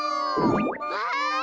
わい！